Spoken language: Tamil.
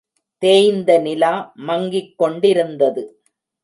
தேய்ந்த நிலா மங்கிக் கொண்டிருந்தது.